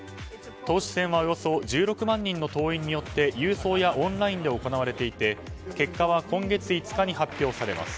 党首選はおよそ１６万人の党員によって郵送やオンラインで行われていて結果は今月５日に発表されます。